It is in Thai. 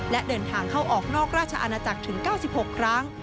และเดินทางเข้าออกนอกราชอาณาจักรถึง๙๖ครั้ง